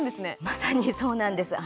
まさに、そうなんです。